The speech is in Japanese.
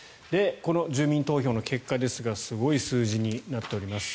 この住民投票の結果ですがすごい数字になっております。